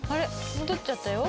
戻っちゃったよ」